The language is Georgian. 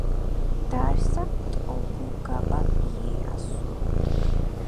დააარსა ტოკუგავა იეიასუმ.